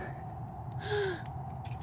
はあ。